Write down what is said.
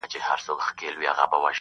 ما پور غوښتی تا نور غوښتی -